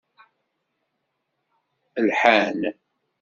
Lḥan.